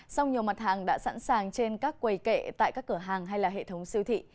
song nhiều mặt hàng đã sẵn sàng trên các quầy kệ tại các cửa hàng hay hệ thống siêu thị